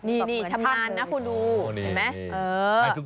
นี่ชำนาญนะคุณดู